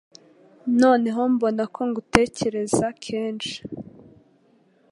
noneho mbona ko ngutekereza kenshi